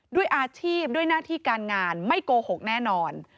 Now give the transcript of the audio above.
ด้วยอาชีพด้วยหน้าที่การงานไม่โกหกแน่นอน